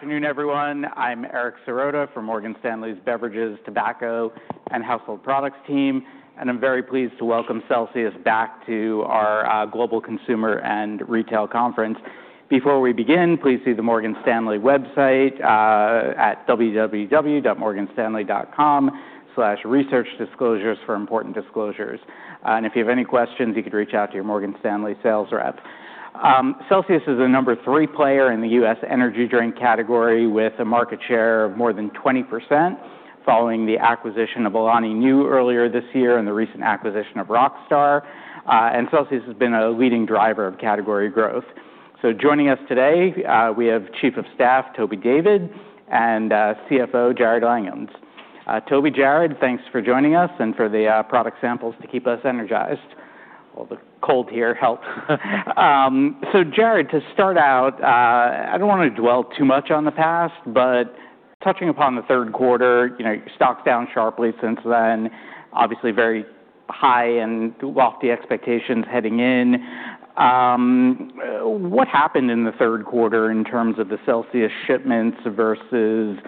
Good afternoon, everyone. I'm Eric Serotta from Morgan Stanley's Beverages, Tobacco, and Household Products team, and I'm very pleased to welcome Celsius back to our Global Consumer and Retail Conference. Before we begin, please see the Morgan Stanley website at www.morganstanley.com/researchdisclosures for important disclosures, and if you have any questions, you could reach out to your Morgan Stanley sales rep. Celsius is a number three player in the U.S. energy drink category, with a market share of more than 20%, following the acquisition of Alani Nu earlier this year and the recent acquisition of Rockstar, and Celsius has been a leading driver of category growth. Joining us today, we have Chief of Staff Toby David and CFO Jarrod Langhans. Toby, Jarrod, thanks for joining us and for the product samples to keep us energized. The cold here helps. So Jarrod, to start out, I don't want to dwell too much on the past, but touching upon the third quarter, stocks down sharply since then, obviously very high and lofty expectations heading in. What happened in the third quarter in terms of the Celsius shipments versus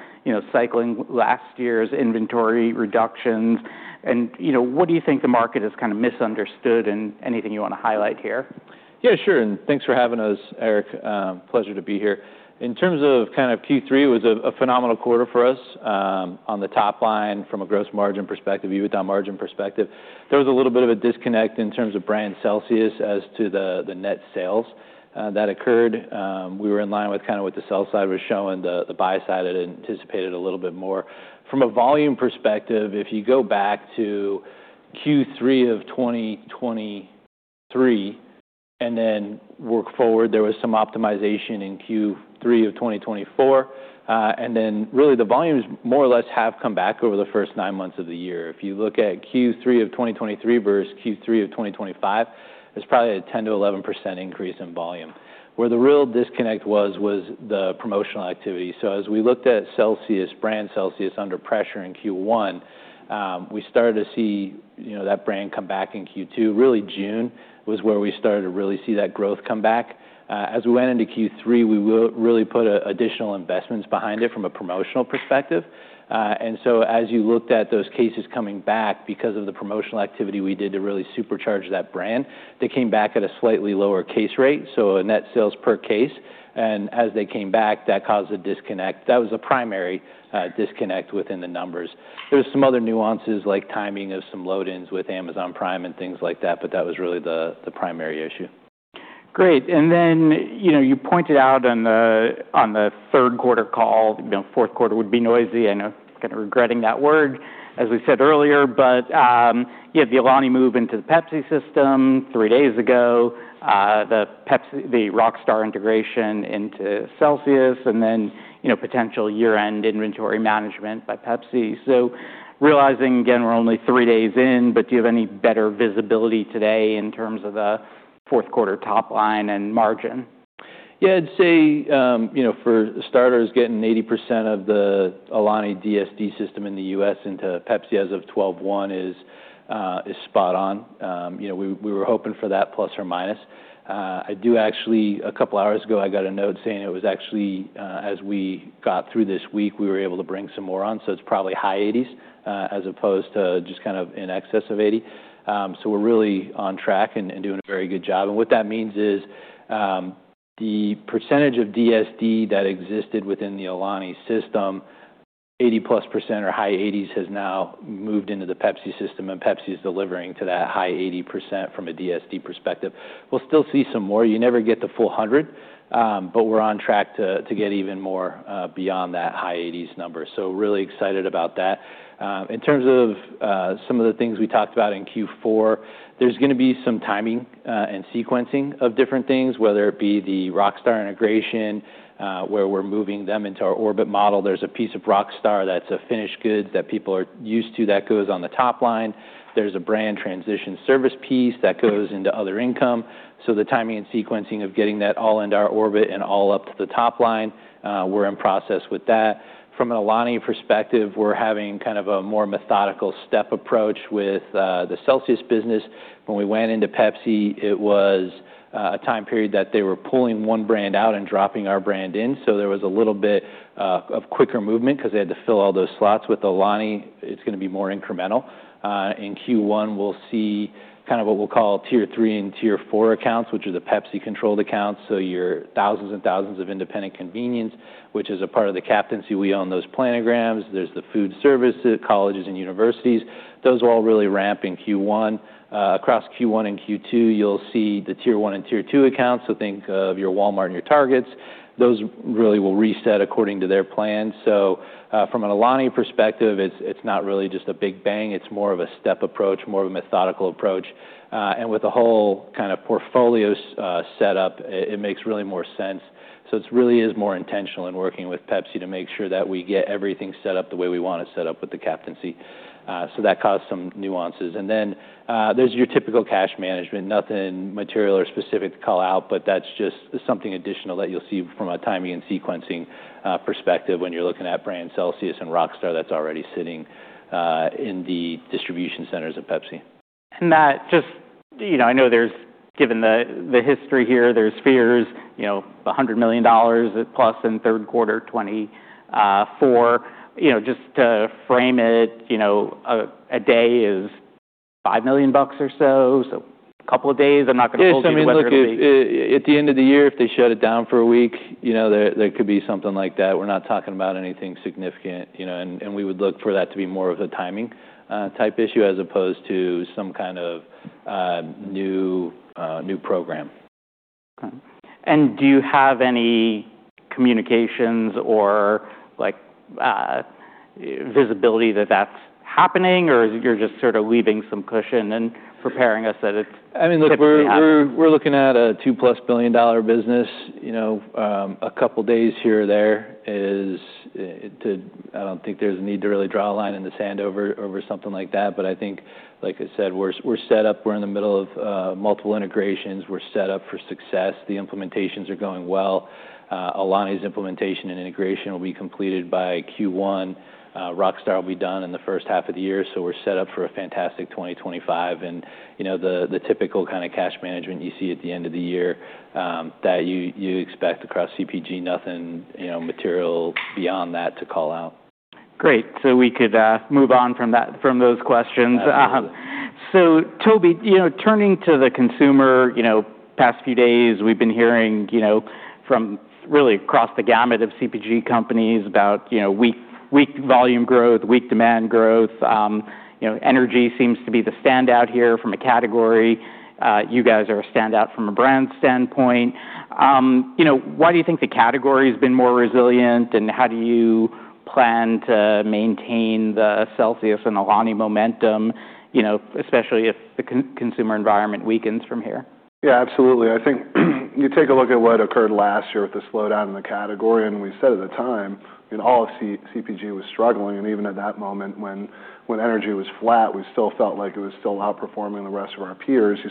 cycling last year's inventory reductions? And what do you think the market has kind of misunderstood, and anything you want to highlight here? Yeah, sure. And thanks for having us, Eric. Pleasure to be here. In terms of kind of Q3, it was a phenomenal quarter for us on the top line from a gross margin perspective, EBITDA margin perspective. There was a little bit of a disconnect in terms of brand Celsius as to the net sales that occurred. We were in line with kind of what the sell side was showing. The buy side had anticipated a little bit more. From a volume perspective, if you go back to Q3 of 2023 and then work forward, there was some optimization in Q3 of 2024. And then really the volumes more or less have come back over the first nine months of the year. If you look at Q3 of 2023 versus Q3 of 2025, there's probably a 10%-11% increase in volume. Where the real disconnect was, was the promotional activity, so as we looked at Celsius, brand Celsius under pressure in Q1, we started to see that brand come back in Q2. Really June was where we started to really see that growth come back. As we went into Q3, we really put additional investments behind it from a promotional perspective, and so as you looked at those cases coming back, because of the promotional activity we did to really supercharge that brand, they came back at a slightly lower case rate, so a net sales per case. And as they came back, that caused a disconnect. That was a primary disconnect within the numbers. There were some other nuances, like timing of some load-ins with Amazon Prime and things like that, but that was really the primary issue. Great, and then you pointed out on the third quarter call, fourth quarter would be noisy. I know I'm kind of regretting that word, as we said earlier, but you had the Alani move into the Pepsi system three days ago, the Rockstar integration into Celsius, and then potential year-end inventory management by Pepsi, so realizing, again, we're only three days in, but do you have any better visibility today in terms of the fourth quarter top line and margin? Yeah, I'd say for starters, getting 80% of the Alani DSD system in the U.S. into Pepsi as of 12/1 is spot on. We were hoping for that plus or minus. I do actually, a couple hours ago, I got a note saying it was actually, as we got through this week, we were able to bring some more on. So it's probably high 80s as opposed to just kind of in excess of 80%. So we're really on track and doing a very good job. And what that means is the percentage of DSD that existed within the Alani system, 80%+ or high 80s, has now moved into the Pepsi system, and Pepsi is delivering to that high 80% from a DSD perspective. We'll still see some more. You never get the full 100%, but we're on track to get even more beyond that high 80s number. So really excited about that. In terms of some of the things we talked about in Q4, there's going to be some timing and sequencing of different things, whether it be the Rockstar integration, where we're moving them into our Orbit model. There's a piece of Rockstar that's a finished goods that people are used to that goes on the top line. There's a brand transition service piece that goes into other income. So the timing and sequencing of getting that all into our Orbit and all up to the top line, we're in process with that. From an Alani perspective, we're having kind of a more methodical step approach with the Celsius business. When we went into Pepsi, it was a time period that they were pulling one brand out and dropping our brand in. So, there was a little bit of quicker movement because they had to fill all those slots with Alani. It's going to be more incremental. In Q1, we'll see kind of what we'll call tier three and tier four accounts, which are the Pepsi-controlled accounts. So, your thousands and thousands of independent convenience, which is a part of the captaincy. We own those planograms. There's the food service, colleges, and universities. Those will all really ramp in Q1. Across Q1 and Q2, you'll see the tier one and tier two accounts. So, think of your Walmart and your Targets. Those really will reset according to their plan. So, from an Alani perspective, it's not really just a big bang. It's more of a step approach, more of a methodical approach. And with a whole kind of portfolio setup, it makes really more sense. It really is more intentional in working with Pepsi to make sure that we get everything set up the way we want it set up with the captaincy. That caused some nuances. Then there's your typical cash management. Nothing material or specific to call out, but that's just something additional that you'll see from a timing and sequencing perspective when you're looking at brand Celsius and Rockstar that's already sitting in the distribution centers of Pepsi. Matt, just I know there's, given the history here, there's fears $100 million plus in third quarter 2024. Just to frame it, a day is $5 million or so. So a couple of days, I'm not going to hold you in. Yeah, so I mean, look, at the end of the year, if they shut it down for a week, there could be something like that. We're not talking about anything significant, and we would look for that to be more of a timing type issue as opposed to some kind of new program. Okay. And do you have any communications or visibility that that's happening, or you're just sort of leaving some cushion and preparing us that it's a big deal? I mean, look, we're looking at a $2+ billion business. A couple of days here or there. I don't think there's a need to really draw a line in the sand over something like that. But I think, like I said, we're set up. We're in the middle of multiple integrations. We're set up for success. The implementations are going well. Alani's implementation and integration will be completed by Q1. Rockstar will be done in the first half of the year. So we're set up for a fantastic 2025, and the typical kind of cash management you see at the end of the year that you expect across CPG, nothing material beyond that to call out. Great. So we could move on from those questions. So Toby, turning to the consumer, past few days, we've been hearing from really across the gamut of CPG companies about weak volume growth, weak demand growth. Energy seems to be the standout here from a category. You guys are a standout from a brand standpoint. Why do you think the category has been more resilient, and how do you plan to maintain the Celsius and Alani momentum, especially if the consumer environment weakens from here? Yeah, absolutely. I think you take a look at what occurred last year with the slowdown in the category. And we said at the time, all of CPG was struggling. And even at that moment when energy was flat, we still felt like it was still outperforming the rest of our peers. You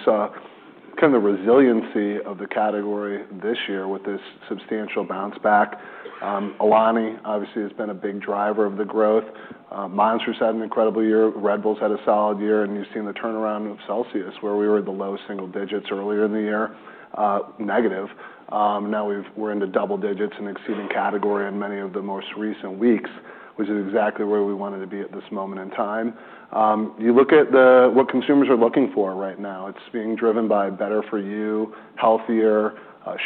saw kind of the resiliency of the category this year with this substantial bounce back. Alani, obviously, has been a big driver of the growth. Monster had an incredible year. Red Bull's had a solid year. And you've seen the turnaround of Celsius, where we were at the low single digits earlier in the year, negative. Now we're into double digits and exceeding category in many of the most recent weeks, which is exactly where we wanted to be at this moment in time. You look at what consumers are looking for right now. It's being driven by better for you, healthier,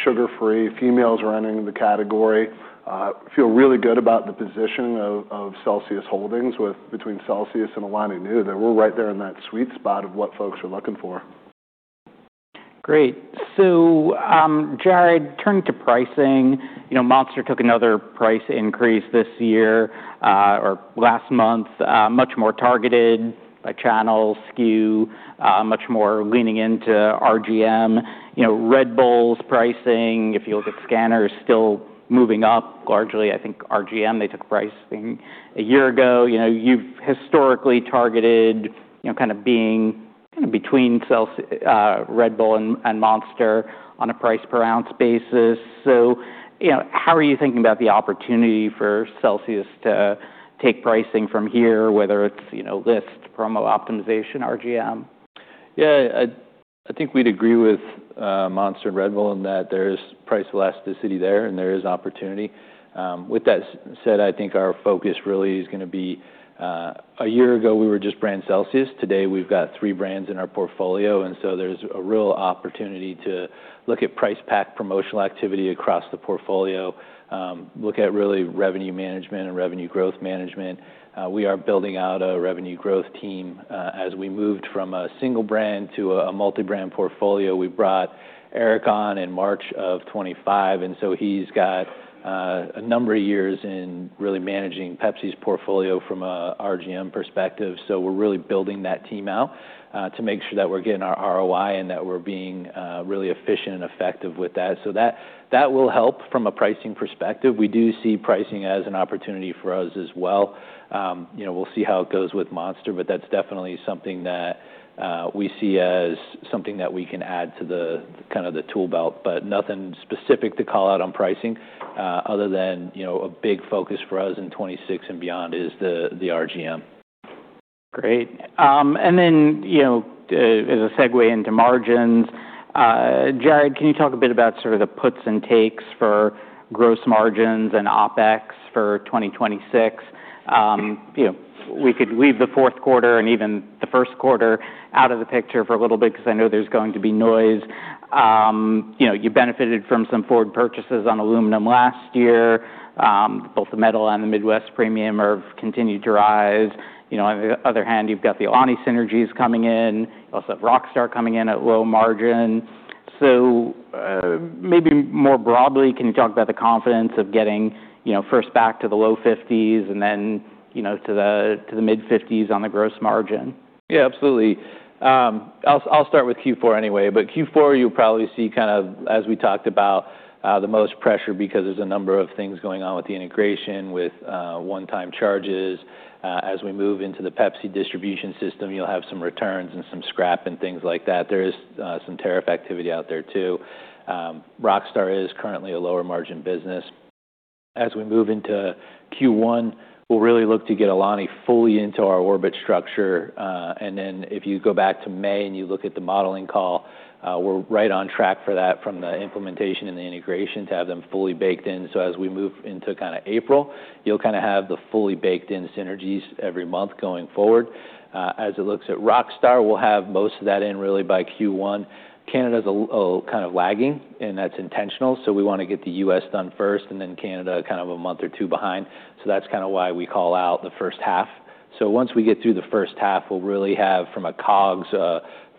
sugar-free. Females are entering the category. I feel really good about the position of Celsius Holdings between Celsius and Alani Nu. We're right there in that sweet spot of what folks are looking for. Great. So Jarrod, turning to pricing, Monster took another price increase this year or last month, much more targeted by channel, SKU, much more leaning into RGM. Red Bull's pricing, if you look at scanner, is still moving up largely. I think RGM, they took pricing a year ago. You've historically targeted kind of being kind of between Red Bull and Monster on a price per ounce basis. So how are you thinking about the opportunity for Celsius to take pricing from here, whether it's list, promo optimization, RGM? Yeah, I think we'd agree with Monster and Red Bull in that there is price elasticity there, and there is opportunity. With that said, I think our focus really is going to be a year ago, we were just brand Celsius. Today, we've got three brands in our portfolio. And so there's a real opportunity to look at price pack promotional activity across the portfolio, look at really revenue management and revenue growth management. We are building out a revenue growth team. As we moved from a single brand to a multi-brand portfolio, we brought Eric on in March of 2025. And so he's got a number of years in really managing Pepsi's portfolio from an RGM perspective. So we're really building that team out to make sure that we're getting our ROI and that we're being really efficient and effective with that. So that will help from a pricing perspective. We do see pricing as an opportunity for us as well. We'll see how it goes with Monster, but that's definitely something that we see as something that we can add to kind of the tool belt. But nothing specific to call out on pricing other than a big focus for us in 2026 and beyond is the RGM. Great. And then as a segue into margins, Jarrod, can you talk a bit about sort of the puts and takes for gross margins and OpEx for 2026? We could leave the fourth quarter and even the first quarter out of the picture for a little bit because I know there's going to be noise. You benefited from some forward purchases on aluminum last year. Both the metal and the Midwest Premium have continued to rise. On the other hand, you've got the Alani synergies coming in. You also have Rockstar coming in at low margin. So maybe more broadly, can you talk about the confidence of getting first back to the low 50s% and then to the mid 50s% on the gross margin? Yeah, absolutely. I'll start with Q4 anyway. But Q4, you'll probably see kind of, as we talked about, the most pressure because there's a number of things going on with the integration with one-time charges. As we move into the Pepsi distribution system, you'll have some returns and some scrap and things like that. There is some tariff activity out there too. Rockstar is currently a lower margin business. As we move into Q1, we'll really look to get Alani fully into our Orbit structure. And then if you go back to May and you look at the modeling call, we're right on track for that from the implementation and the integration to have them fully baked in. So as we move into kind of April, you'll kind of have the fully baked-in synergies every month going forward. As it looks at Rockstar, we'll have most of that in really by Q1. Canada's kind of lagging, and that's intentional. So we want to get the U.S. done first and then Canada kind of a month or two behind. So that's kind of why we call out the first half. So once we get through the first half, we'll really have, from a COGS,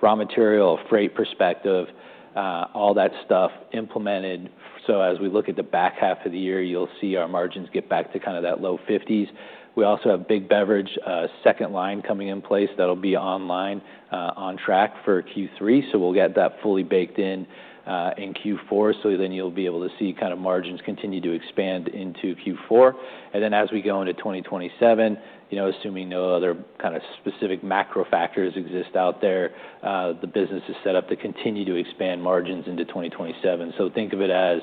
raw material, freight perspective, all that stuff implemented. So as we look at the back half of the year, you'll see our margins get back to kind of that low 50s%. We also have Big Beverage second line coming in place that'll be online, on track for Q3. So we'll get that fully baked in in Q4. So then you'll be able to see kind of margins continue to expand into Q4. As we go into 2027, assuming no other kind of specific macro factors exist out there, the business is set up to continue to expand margins into 2027. Think of it as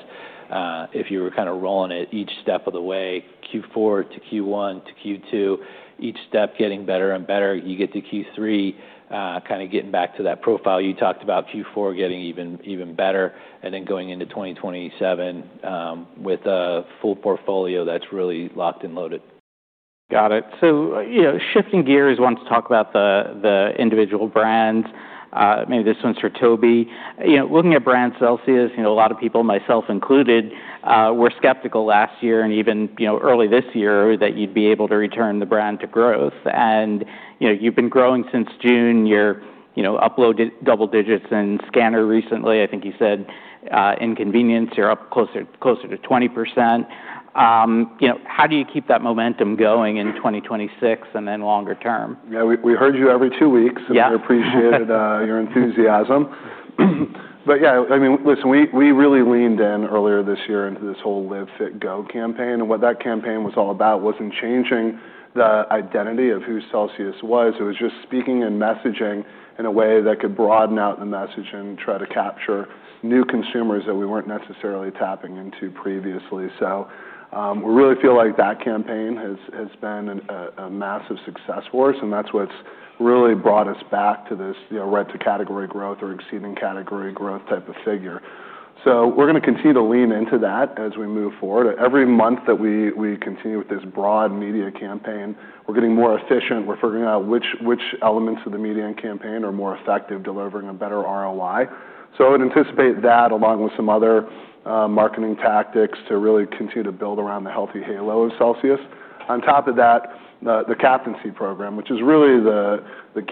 if you were kind of rolling it each step of the way, Q4 to Q1 to Q2, each step getting better and better. You get to Q3, kind of getting back to that profile you talked about, Q4 getting even better, and then going into 2027 with a full portfolio that's really locked and loaded. Got it. So shifting gears, want to talk about the individual brands. Maybe this one's for Toby. Looking at brand Celsius, a lot of people, myself included, were skeptical last year and even early this year that you'd be able to return the brand to growth. And you've been growing since June. You uploaded double digits in Scanner recently. I think you said in convenience, you're up closer to 20%. How do you keep that momentum going in 2026 and then longer term? Yeah, we heard you every two weeks, and we appreciated your enthusiasm, but yeah, I mean, listen, we really leaned in earlier this year into this whole Live Fit Go campaign, and what that campaign was all about wasn't changing the identity of who Celsius was. It was just speaking and messaging in a way that could broaden out the message and try to capture new consumers that we weren't necessarily tapping into previously, so we really feel like that campaign has been a massive success for us, and that's what's really brought us back to this right to category growth or exceeding category growth type of figure, so we're going to continue to lean into that as we move forward. Every month that we continue with this broad media campaign, we're getting more efficient. We're figuring out which elements of the media and campaign are more effective, delivering a better ROI. So I would anticipate that along with some other marketing tactics to really continue to build around the healthy halo of Celsius. On top of that, the captaincy program, which is really the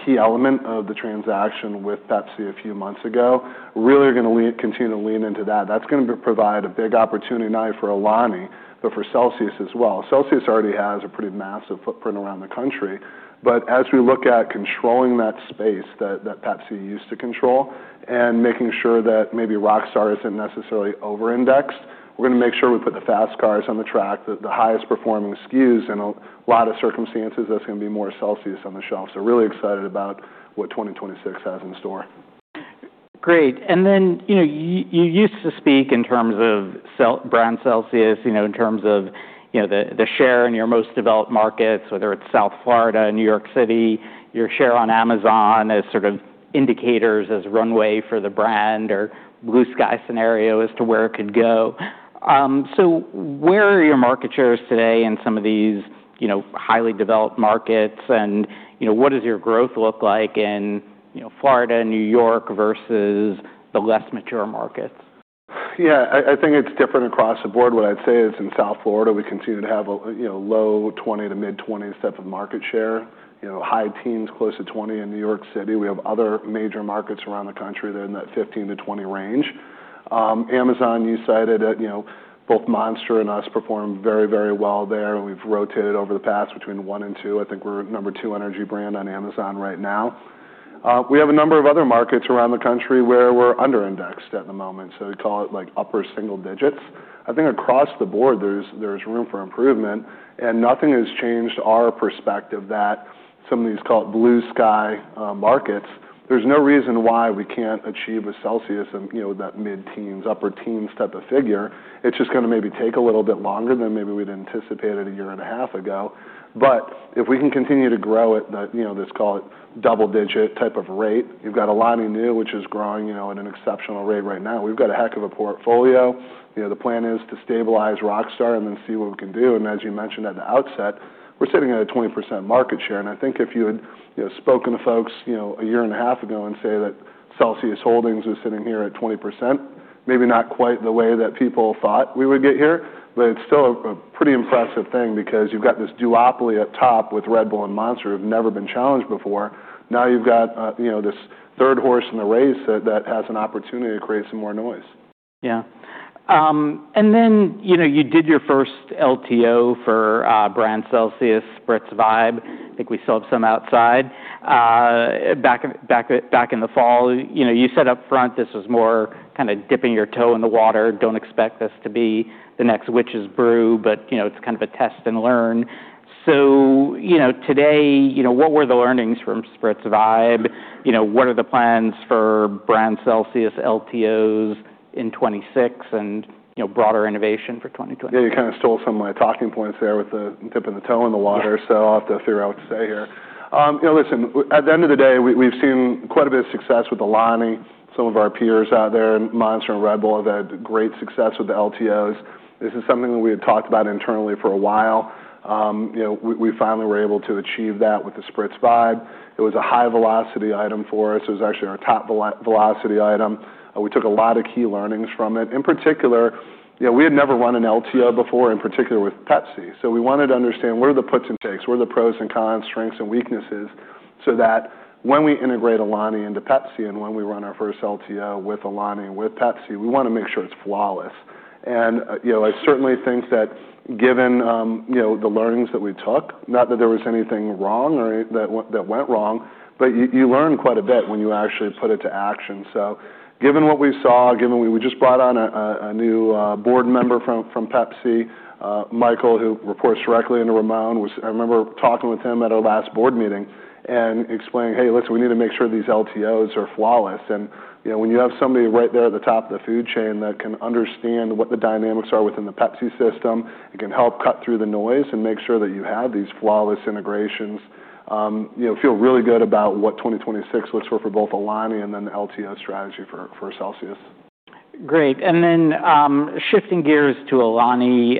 key element of the transaction with Pepsi a few months ago, really are going to continue to lean into that. That's going to provide a big opportunity not only for Alani, but for Celsius as well. Celsius already has a pretty massive footprint around the country. But as we look at controlling that space that Pepsi used to control and making sure that maybe Rockstar isn't necessarily over-indexed, we're going to make sure we put the fast cars on the track, the highest performing SKUs, and a lot of circumstances that's going to be more Celsius on the shelf. Really excited about what 2026 has in store. Great. And then you used to speak in terms of brand Celsius, in terms of the share in your most developed markets, whether it's South Florida, New York City, your share on Amazon as sort of indicators as runway for the brand or blue sky scenario as to where it could go. So where are your market shares today in some of these highly developed markets? And what does your growth look like in Florida and New York versus the less mature markets? Yeah, I think it's different across the board. What I'd say is in South Florida, we continue to have a low-20% to mid-20s% type of market share, high teens, close to 20% in New York City. We have other major markets around the country that are in that 15%-20% range. Amazon, you cited it. Both Monster and us perform very, very well there. We've rotated over the past between one and two. I think we're number two energy brand on Amazon right now. We have a number of other markets around the country where we're under-indexed at the moment. So we call it like upper single digits. I think across the board, there's room for improvement. And nothing has changed our perspective that some of these call it blue sky markets. There's no reason why we can't achieve a Celsius and that mid teens, upper teens type of figure. It's just going to maybe take a little bit longer than maybe we'd anticipated a year and a half ago. But if we can continue to grow at this call it double digit type of rate, you've got Alani Nu, which is growing at an exceptional rate right now. We've got a heck of a portfolio. The plan is to stabilize Rockstar and then see what we can do. And as you mentioned at the outset, we're sitting at a 20% market share. I think if you had spoken to folks a year and a half ago and say that Celsius Holdings was sitting here at 20%, maybe not quite the way that people thought we would get here, but it's still a pretty impressive thing because you've got this duopoly at top with Red Bull and Monster who have never been challenged before. Now you've got this third horse in the race that has an opportunity to create some more noise. Yeah. And then you did your first LTO for brand Celsius, Spritz Vibe. I think we still have some outside. Back in the fall, you said upfront this was more kind of dipping your toe in the water. Don't expect this to be the next witch's brew, but it's kind of a test and learn. So today, what were the learnings from Spritz Vibe? What are the plans for brand Celsius LTOs in 2026 and broader innovation for 2026? Yeah, you kind of stole some of my talking points there with the dipping the toe in the water, so I'll have to figure out what to say here. Listen, at the end of the day, we've seen quite a bit of success with Alani. Some of our peers out there, Monster and Red Bull, have had great success with the LTOs. This is something that we had talked about internally for a while. We finally were able to achieve that with the Spritz Vibe. It was a high velocity item for us. It was actually our top velocity item. We took a lot of key learnings from it. In particular, we had never run an LTO before, in particular with Pepsi. We wanted to understand where are the puts and takes, where are the pros and cons, strengths and weaknesses so that when we integrate Alani into Pepsi and when we run our first LTO with Alani with Pepsi, we want to make sure it's flawless. And I certainly think that given the learnings that we took, not that there was anything wrong or that went wrong, but you learn quite a bit when you actually put it to action. So given what we saw, given we just brought on a new board member from Pepsi, Michael, who reports directly into Ramon, I remember talking with him at our last board meeting and explaining, "Hey, listen, we need to make sure these LTOs are flawless." And when you have somebody right there at the top of the food chain that can understand what the dynamics are within the Pepsi system, it can help cut through the noise and make sure that you have these flawless integrations. Feel really good about what 2026 looks for both Alani and then the LTO strategy for Celsius. Great. And then shifting gears to Alani,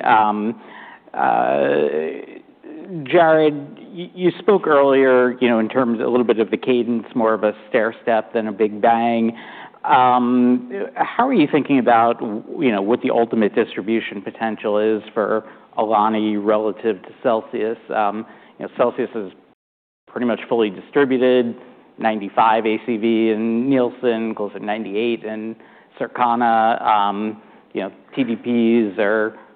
Jarrod, you spoke earlier in terms of a little bit of the cadence, more of a stair step than a big bang. How are you thinking about what the ultimate distribution potential is for Alani relative to Celsius? Celsius is pretty much fully distributed, 95 ACV in Nielsen, goes at 98 in Circana. TDPs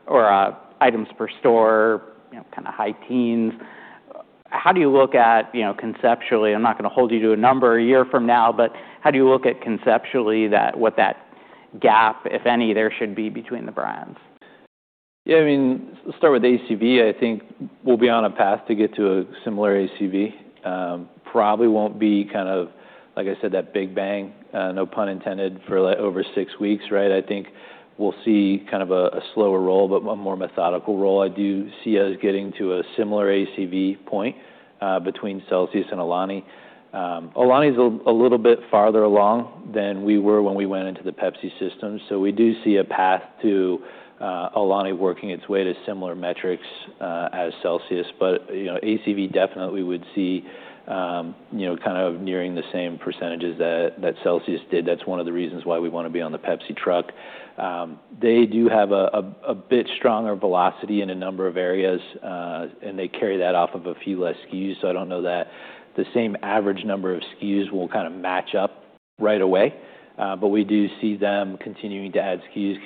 or items per store, kind of high teens. How do you look at conceptually? I'm not going to hold you to a number a year from now, but how do you look at conceptually what that gap, if any, there should be between the brands? Yeah, I mean, let's start with ACV. I think we'll be on a path to get to a similar ACV. Probably won't be kind of, like I said, that big bang, no pun intended, for over six weeks, right? I think we'll see kind of a slower roll, but a more methodical roll. I do see us getting to a similar ACV point between Celsius and Alani. Alani is a little bit farther along than we were when we went into the Pepsi system. So we do see a path to Alani working its way to similar metrics as Celsius. But ACV definitely we would see kind of nearing the same percentages that Celsius did. That's one of the reasons why we want to be on the Pepsi truck. They do have a bit stronger velocity in a number of areas, and they carry that off of a few less SKUs. So I don't know that the same average number of SKUs will kind of match up right away. But we do see them continuing to add SKUs,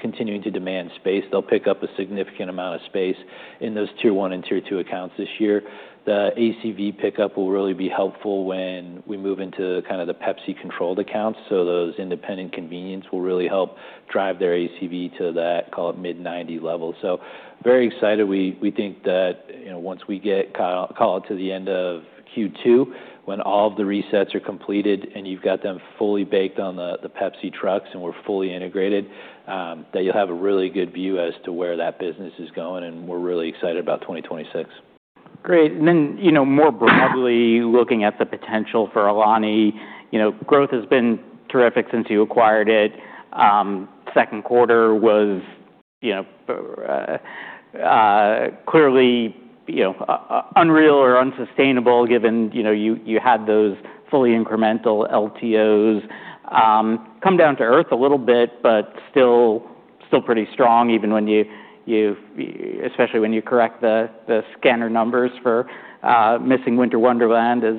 continuing to demand space. They'll pick up a significant amount of space in those tier one and tier two accounts this year. The ACV pickup will really be helpful when we move into kind of the Pepsi-controlled accounts. So those independent convenience will really help drive their ACV to that, call it mid 90 level. So very excited. We think that once we get call it to the end of Q2, when all of the resets are completed and you've got them fully baked on the Pepsi trucks and we're fully integrated, that you'll have a really good view as to where that business is going, and we're really excited about 2026. Great. And then more broadly looking at the potential for Alani Nu, growth has been terrific since you acquired it. Second quarter was clearly unreal or unsustainable given you had those fully incremental LTOs. Come down to earth a little bit, but still pretty strong, especially when you correct the scanner numbers for missing Winter Wonderland, as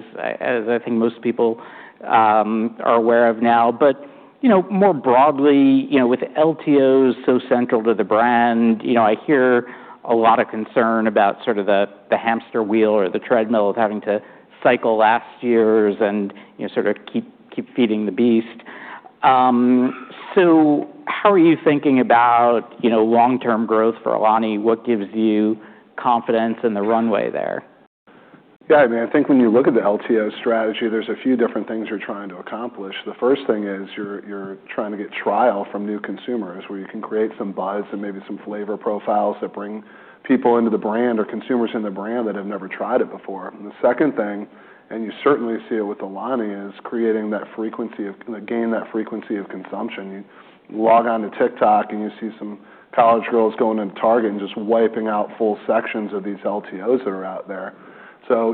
I think most people are aware of now. But more broadly, with LTOs so central to the brand, I hear a lot of concern about sort of the hamster wheel or the treadmill of having to cycle last years and sort of keep feeding the beast. So how are you thinking about long-term growth for Alani Nu? What gives you confidence in the runway there? Yeah, I mean, I think when you look at the LTO strategy, there's a few different things you're trying to accomplish. The first thing is you're trying to get trial from new consumers where you can create some buzz and maybe some flavor profiles that bring people into the brand or consumers in the brand that have never tried it before. And the second thing, and you certainly see it with Alani, is creating that frequency of gain that frequency of consumption. You log on to TikTok and you see some college girls going into Target and just wiping out full sections of these LTOs that are out there. So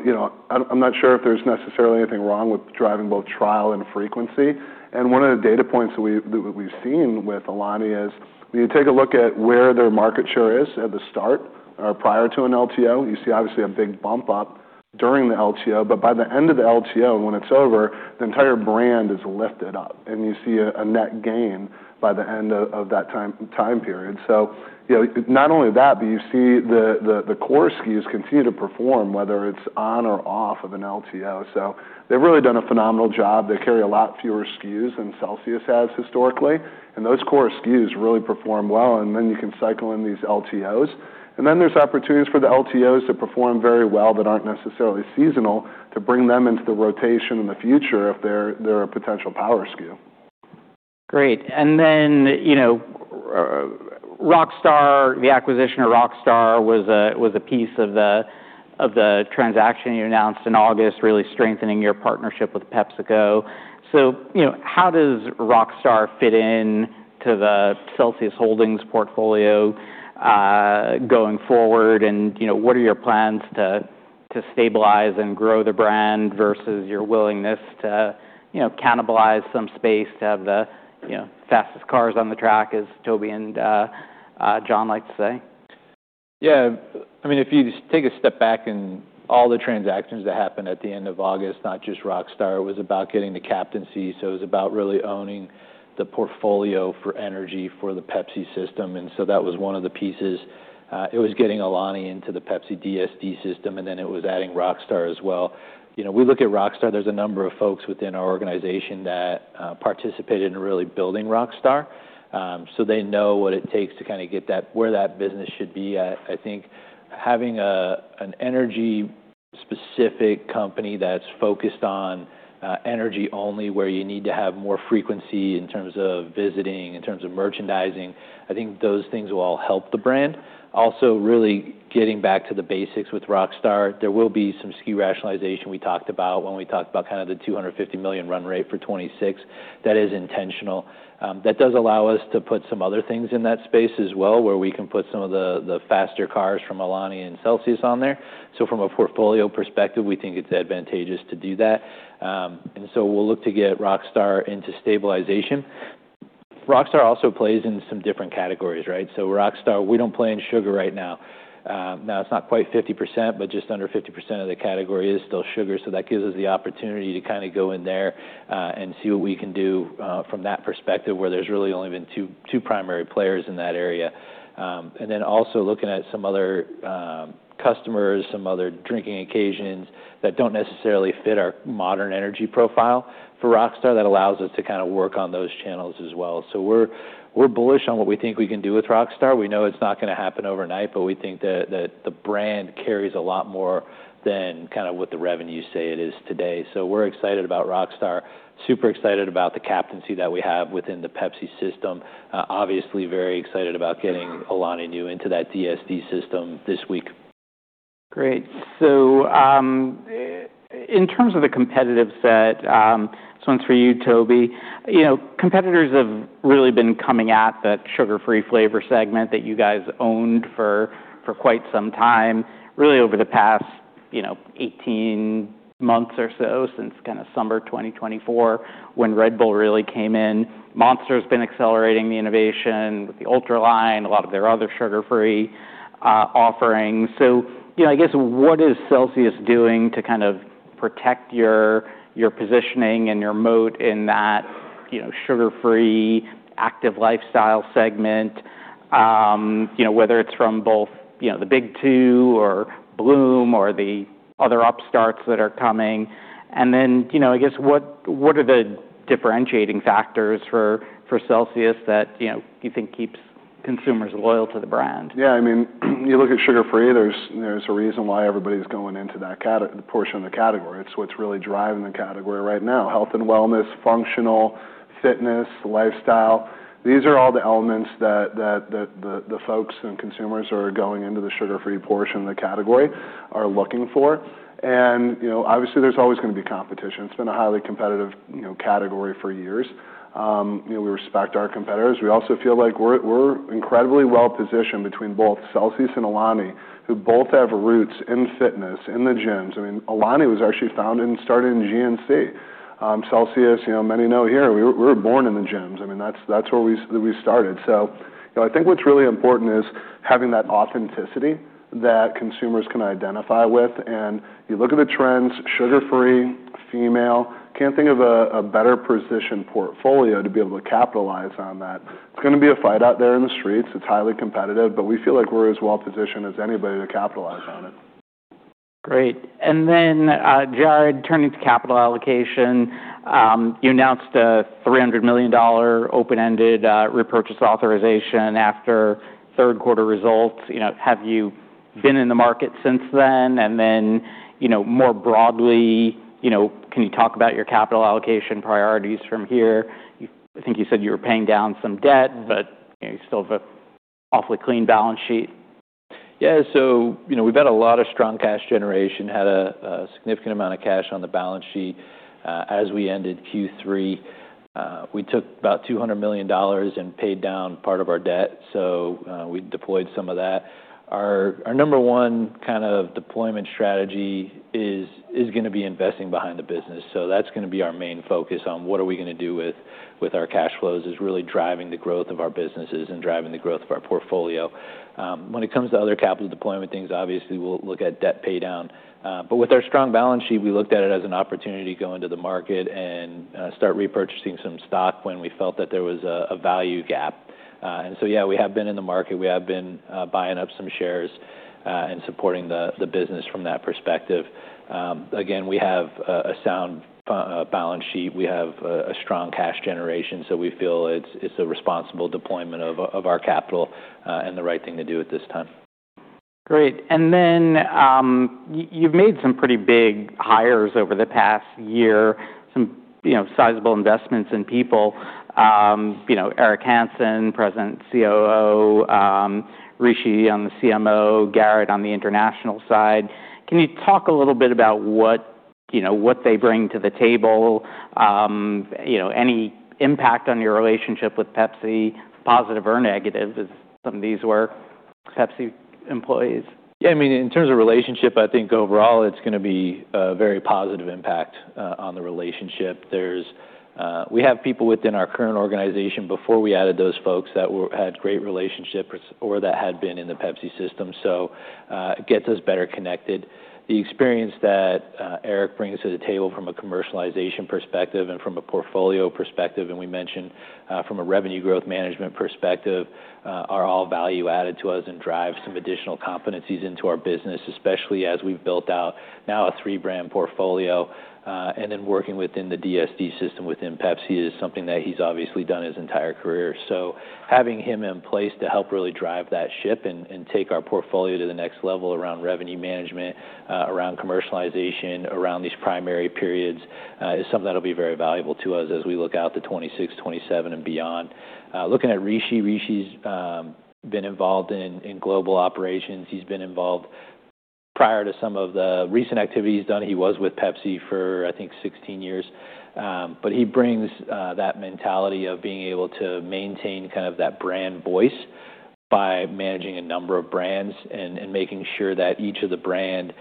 I'm not sure if there's necessarily anything wrong with driving both trial and frequency. And one of the data points that we've seen with Alani is when you take a look at where their market share is at the start or prior to an LTO. You see obviously a big bump up during the LTO, but by the end of the LTO and when it's over, the entire brand is lifted up. And you see a net gain by the end of that time period. So not only that, but you see the core SKUs continue to perform, whether it's on or off of an LTO. So they've really done a phenomenal job. They carry a lot fewer SKUs than Celsius has historically. And those core SKUs really perform well. And then you can cycle in these LTOs. And then there's opportunities for the LTOs to perform very well that aren't necessarily seasonal to bring them into the rotation in the future if they're a potential power SKU. Great. And then Rockstar, the acquisition of Rockstar was a piece of the transaction you announced in August, really strengthening your partnership with PepsiCo. So how does Rockstar fit into the Celsius Holdings portfolio going forward? And what are your plans to stabilize and grow the brand versus your willingness to cannibalize some space to have the fastest cars on the track, as Toby and John liked to say? Yeah. I mean, if you take a step back in all the transactions that happened at the end of August, not just Rockstar, it was about getting the captaincy. So it was about really owning the portfolio for energy for the Pepsi system. And so that was one of the pieces. It was getting Alani into the Pepsi DSD system, and then it was adding Rockstar as well. We look at Rockstar. There's a number of folks within our organization that participated in really building Rockstar. So they know what it takes to kind of get where that business should be. I think having an energy-specific company that's focused on energy only, where you need to have more frequency in terms of visiting, in terms of merchandising. I think those things will all help the brand. Also, really getting back to the basics with Rockstar. There will be some SKU rationalization we talked about when we talked about kind of the 250 million run rate for 2026. That is intentional. That does allow us to put some other things in that space as well, where we can put some of the faster cars from Alani and Celsius on there. So from a portfolio perspective, we think it's advantageous to do that. And so we'll look to get Rockstar into stabilization. Rockstar also plays in some different categories, right? So Rockstar, we don't play in sugar right now. Now, it's not quite 50%, but just under 50% of the category is still sugar. So that gives us the opportunity to kind of go in there and see what we can do from that perspective, where there's really only been two primary players in that area. And then also looking at some other customers, some other drinking occasions that don't necessarily fit our modern energy profile for Rockstar, that allows us to kind of work on those channels as well. So we're bullish on what we think we can do with Rockstar. We know it's not going to happen overnight, but we think that the brand carries a lot more than kind of what the revenues say it is today. So we're excited about Rockstar, super excited about the captaincy that we have within the Pepsi system. Obviously, very excited about getting Alani Nu into that DSD system this week. Great. So in terms of the competitive set, this one's for you, Toby. Competitors have really been coming at the sugar-free flavor segment that you guys owned for quite some time, really over the past 18 months or so, since kind of summer 2024, when Red Bull really came in. Monster has been accelerating the innovation with the Ultra line, a lot of their other sugar-free offerings. So I guess what is Celsius doing to kind of protect your positioning and your moat in that sugar-free active lifestyle segment, whether it's from both the Big Two or Bloom or the other upstarts that are coming? And then I guess what are the differentiating factors for Celsius that you think keeps consumers loyal to the brand? Yeah, I mean, you look at sugar-free. There's a reason why everybody's going into that portion of the category. It's what's really driving the category right now. Health and wellness, functional, fitness, lifestyle. These are all the elements that the folks and consumers are going into the sugar-free portion of the category are looking for. And obviously, there's always going to be competition. It's been a highly competitive category for years. We respect our competitors. We also feel like we're incredibly well positioned between both Celsius and Alani, who both have roots in fitness, in the gyms. I mean, Alani was actually founded and started in GNC. Celsius, many know here, we were born in the gyms. I mean, that's where we started. So I think what's really important is having that authenticity that consumers can identify with. And you look at the trends, sugar-free, female. Can't think of a better position portfolio to be able to capitalize on that. It's going to be a fight out there in the streets. It's highly competitive, but we feel like we're as well positioned as anybody to capitalize on it. Great. And then, Jarrod, turning to capital allocation, you announced a $300 million open-ended repurchase authorization after third quarter results. Have you been in the market since then? And then more broadly, can you talk about your capital allocation priorities from here? I think you said you were paying down some debt, but you still have an awfully clean balance sheet. Yeah, so we've had a lot of strong cash generation, had a significant amount of cash on the balance sheet as we ended Q3. We took about $200 million and paid down part of our debt, so we deployed some of that. Our number one kind of deployment strategy is going to be investing behind the business, so that's going to be our main focus on what are we going to do with our cash flows is really driving the growth of our businesses and driving the growth of our portfolio. When it comes to other capital deployment things, obviously, we'll look at debt paydown, but with our strong balance sheet, we looked at it as an opportunity to go into the market and start repurchasing some stock when we felt that there was a value gap, and so, yeah, we have been in the market. We have been buying up some shares and supporting the business from that perspective. Again, we have a sound balance sheet. We have a strong cash generation. So we feel it's a responsible deployment of our capital and the right thing to do at this time. Great. And then you've made some pretty big hires over the past year, some sizable investments in people, Eric Hansen, President COO, Rishi on the CMO, Garrett on the international side. Can you talk a little bit about what they bring to the table? Any impact on your relationship with Pepsi, positive or negative, as some of these were Pepsi employees? Yeah. I mean, in terms of relationship, I think overall it's going to be a very positive impact on the relationship. We have people within our current organization before we added those folks that had great relationships or that had been in the Pepsi system. So it gets us better connected. The experience that Eric brings to the table from a commercialization perspective and from a portfolio perspective, and we mentioned from a revenue growth management perspective, are all value added to us and drive some additional competencies into our business, especially as we've built out now a three-brand portfolio. And then working within the DSD system within Pepsi is something that he's obviously done his entire career. Having him in place to help really drive that ship and take our portfolio to the next level around revenue management, around commercialization, around these primary periods is something that'll be very valuable to us as we look out to 2026, 2027, and beyond. Looking at Rishi, Rishi's been involved in global operations. He's been involved prior to some of the recent activities done. He was with Pepsi for, I think, 16 years. But he brings that mentality of being able to maintain kind of that brand voice by managing a number of brands and making sure that each of the brand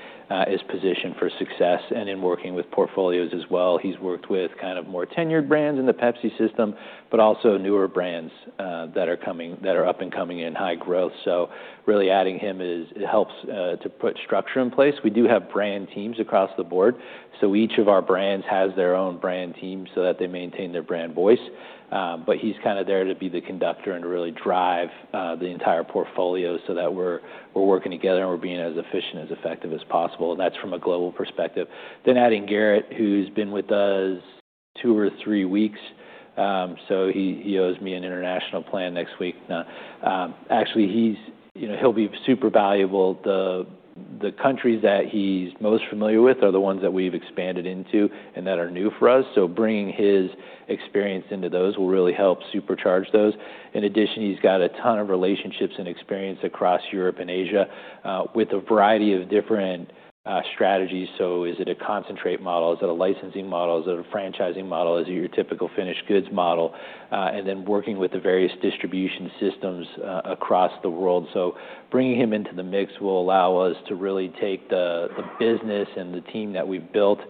is positioned for success. And in working with portfolios as well, he's worked with kind of more tenured brands in the Pepsi system, but also newer brands that are up and coming in high growth. So really adding him helps to put structure in place. We do have brand teams across the board. So each of our brands has their own brand team so that they maintain their brand voice. But he's kind of there to be the conductor and to really drive the entire portfolio so that we're working together and we're being as efficient, as effective as possible. And that's from a global perspective. Then adding Garrett, who's been with us two or three weeks. So he owes me an international plan next week. Actually, he'll be super valuable. The countries that he's most familiar with are the ones that we've expanded into and that are new for us. So bringing his experience into those will really help supercharge those. In addition, he's got a ton of relationships and experience across Europe and Asia with a variety of different strategies. So is it a concentrate model? Is it a licensing model? Is it a franchising model? Is it your typical finished goods model? And then working with the various distribution systems across the world. So bringing him into the mix will allow us to really take the business and the team that we've built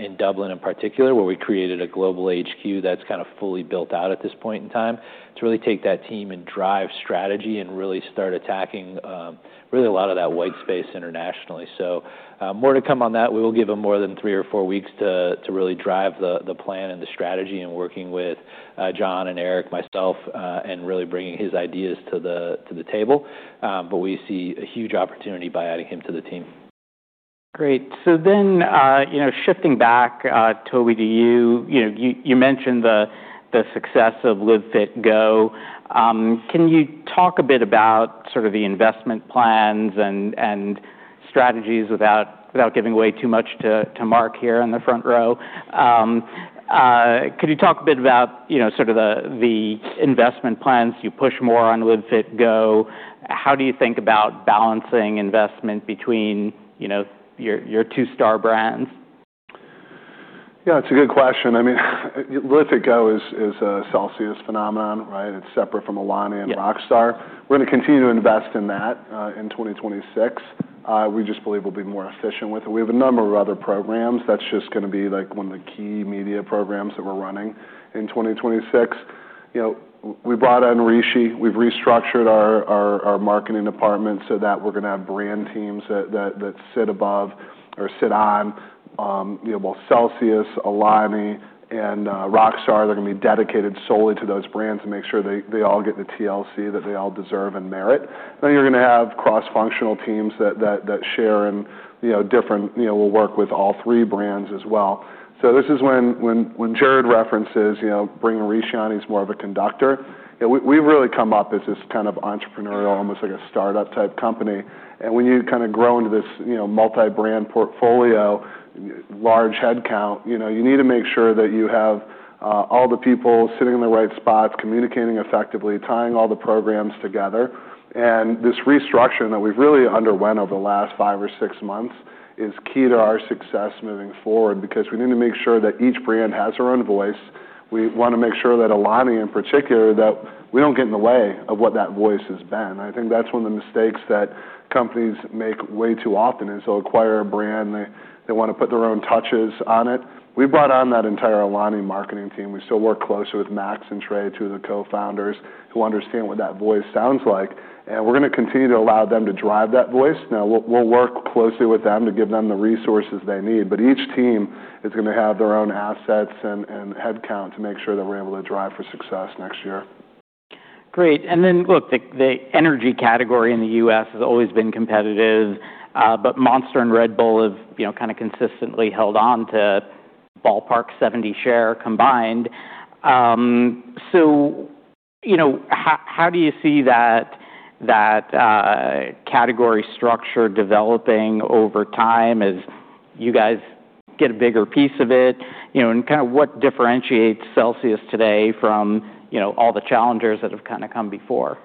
in Dublin in particular, where we created a global HQ that's kind of fully built out at this point in time, to really take that team and drive strategy and really start attacking really a lot of that white space internationally. So more to come on that. We will give him more than three or four weeks to really drive the plan and the strategy and working with John and Eric, myself, and really bringing his ideas to the table. But we see a huge opportunity by adding him to the team. Great. So then shifting back, Toby, to you, you mentioned the success of Live Fit Go. Can you talk a bit about sort of the investment plans and strategies without giving away too much to Mark here in the front row? Could you talk a bit about sort of the investment plans you push more on Live Fit Go? How do you think about balancing investment between your two-star brands? Yeah, it's a good question. I mean, Live Fit Go is a Celsius phenomenon, right? It's separate from Alani and Rockstar. We're going to continue to invest in that in 2026. We just believe we'll be more efficient with it. We have a number of other programs. That's just going to be like one of the key media programs that we're running in 2026. We brought in Rishi. We've restructured our marketing department so that we're going to have brand teams that sit above or sit on both Celsius, Alani, and Rockstar. They're going to be dedicated solely to those brands and make sure they all get the TLC that they all deserve and merit. Then you're going to have cross-functional teams that share in different will work with all three brands as well. So this is when Jarrod references, bringing Rishi on is more of a conductor. We've really come up as this kind of entrepreneurial, almost like a startup-type company. And when you kind of grow into this multi-brand portfolio, large headcount, you need to make sure that you have all the people sitting in the right spots, communicating effectively, tying all the programs together. And this restructuring that we've really underwent over the last five or six months is key to our success moving forward because we need to make sure that each brand has her own voice. We want to make sure that Alani, in particular, that we don't get in the way of what that voice has been. I think that's one of the mistakes that companies make way too often is they'll acquire a brand and they want to put their own touches on it. We brought on that entire Alani marketing team. We still work closely with Max and Trey, two of the co-founders, who understand what that voice sounds like, and we're going to continue to allow them to drive that voice. Now, we'll work closely with them to give them the resources they need, but each team is going to have their own assets and headcount to make sure that we're able to drive for success next year. Great. And then, look, the energy category in the U.S. has always been competitive, but Monster and Red Bull have kind of consistently held on to ballpark 70% share combined. So how do you see that category structure developing over time as you guys get a bigger piece of it? And kind of what differentiates Celsius today from all the challengers that have kind of come before?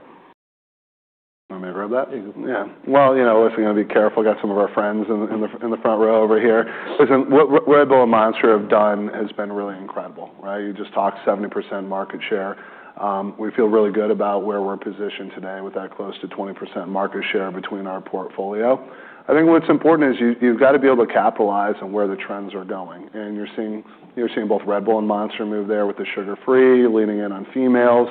You want me to grab that? Yeah. We're going to be careful. I got some of our friends in the front row over here. Listen, Red Bull and Monster have done has been really incredible, right? You just talked 70% market share. We feel really good about where we're positioned today with that close to 20% market share between our portfolio. I think what's important is you've got to be able to capitalize on where the trends are going. You're seeing both Red Bull and Monster move there with the sugar-free, leaning in on females.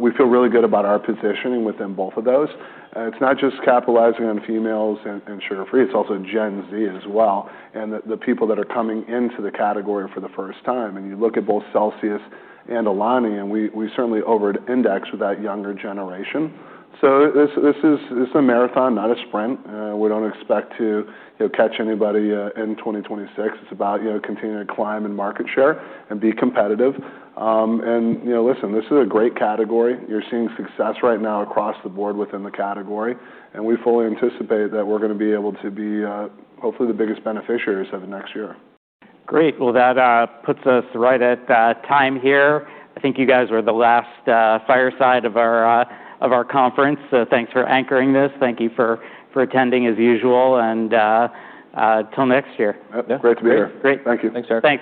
We feel really good about our positioning within both of those. It's not just capitalizing on females and sugar-free. It's also Gen Z as well and the people that are coming into the category for the first time. You look at both Celsius and Alani, and we certainly over-index with that younger generation. So this is a marathon, not a sprint. We don't expect to catch anybody in 2026. It's about continuing to climb in market share and be competitive. And listen, this is a great category. You're seeing success right now across the board within the category. And we fully anticipate that we're going to be able to be hopefully the biggest beneficiaries of next year. Great. Well, that puts us right at time here. I think you guys were the last fireside of our conference. So thanks for anchoring this. Thank you for attending as usual. And until next year. Great to be here. Great. Thank you. Thanks, Jarrod.